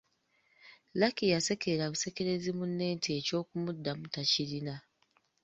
Lucky yasekerera busekerezi munne anti eky'okumuddamu takirina.